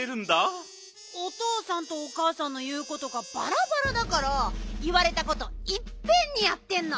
おとうさんとおかあさんのいうことがバラバラだからいわれたこといっぺんにやってんの。